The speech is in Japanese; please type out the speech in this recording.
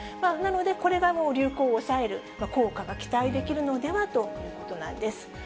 なので、これがもう流行を抑える効果が期待できるのではということなんです。